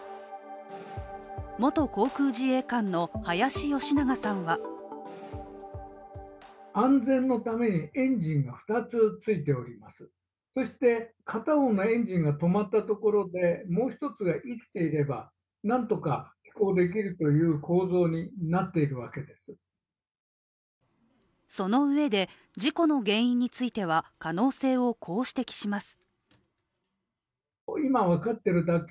元航空自衛官の林吉永さんはそのうえで、事故の原因については可能性を、こう指摘します。